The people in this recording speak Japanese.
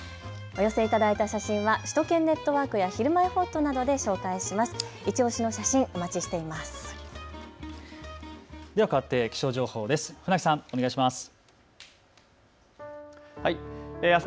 お寄せいただいた写真は首都圏ネットワークやひるまえほっとなどで紹介します。